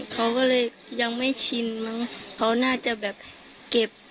เขาก็เลยยังไม่ชินมั้งเขาน่าจะแบบเก็บ